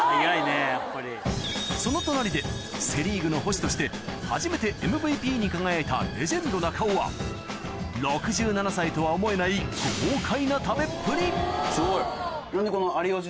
その隣でセ・リーグの捕手として初めてＭＶＰに輝いたレジェンド中尾は６７歳とは思えない豪快な食べっぷりすごい。